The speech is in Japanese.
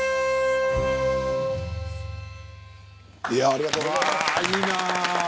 ありがとうございます。